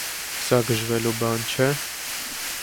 Սա գժվելու բան չէ՞…